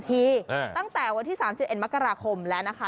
ตั้งแต่วันที่๓๑มกราคมแล้วนะคะ